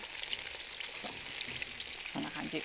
こんな感じ。